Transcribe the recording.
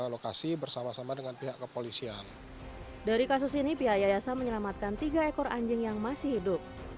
lokasi bersama sama dengan pihak kepolisian dari kasus ini pihak yayasan menyelamatkan tiga ekor anjing yang masih hidup